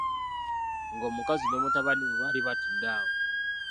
Ng'omukazi ne mutabani we bali awo batudde.